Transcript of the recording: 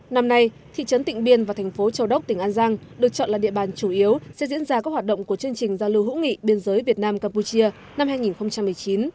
năm nay thị trấn tỉnh biên và thành phố châu đốc tỉnh an giang được chọn là địa bàn chủ yếu sẽ diễn ra các hoạt động của chương trình giao lưu hữu nghị biên giới việt nam campuchia năm hai nghìn một mươi chín